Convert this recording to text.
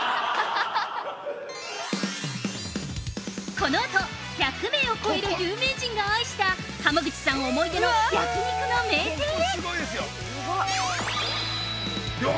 ◆このあと、１００名を超える有名人が愛した浜口さん思い出の焼肉の名店へ！